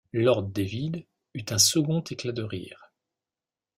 Lord David eut un second éclat de rire.